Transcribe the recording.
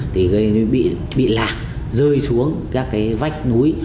thì gây bị lạc rơi xuống các cái vách núi